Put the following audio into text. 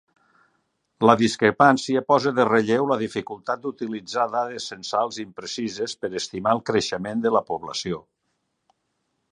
La discrepància posa de relleu la dificultat d'utilitzar dades censals imprecises per estimar el creixement de la població.